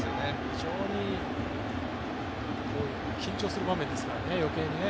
非常に緊張する場面ですから、余計にね。